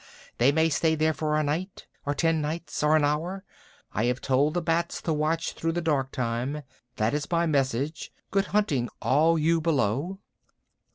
They may stay there for a night, or ten nights, or an hour. I have told the bats to watch through the dark time. That is my message. Good hunting, all you below!"